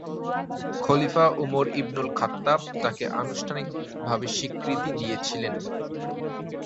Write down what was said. খলিফা Umar ইবনুল Khattab তাকে আনুষ্ঠানিকভাবে স্বীকৃতি দিয়েছিলেন।